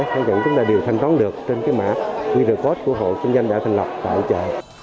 căn dặn chúng ta đều thanh toán được trên cái mã qr code của hộ kinh doanh đã thành lập tại chợ